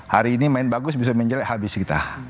hari ini main bagus bisa menjelek habis kita